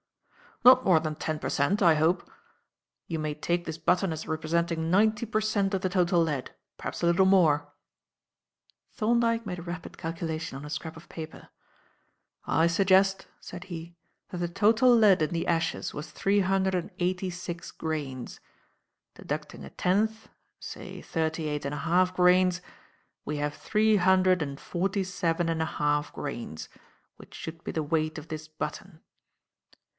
"Not more than ten per cent. I hope. You may take this button as representing ninety per cent of the total lead; perhaps a little more." Thorndyke made a rapid calculation on a scrap of paper. "I suggest," said he, "that the total lead in the ashes was three hundred and eighty six grains. Deducting a tenth, say thirty eight and a half grains, we have three hundred and forty seven and a half grains, which should be the weight of this button."